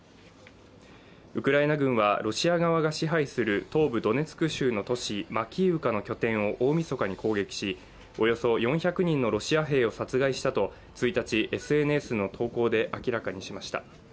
ウクライナ軍はロシア側が支配する東部ドネツク州の都市マキーウカの拠点を大みそかに攻撃しおよそ４００人のロシア兵を殺害したと、１日、ＳＮＳの投稿で明らかにしました